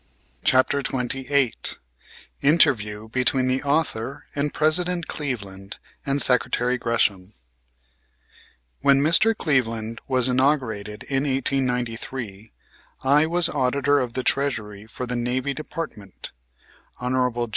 CHAPTER XXVIII INTERVIEW BETWEEN THE AUTHOR AND PRESIDENT CLEVELAND AND SECRETARY GRESHAM When Mr. Cleveland was inaugurated in 1893, I was Auditor of the Treasury for the Navy Department. Hon.